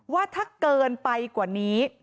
ว่าถ้าเกินไปกว่านี้